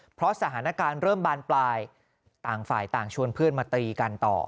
เพราะสถานการณ์เริ่มบานปลายต่างฝ่ายต่างชวนเพื่อนมาตีกันต่อ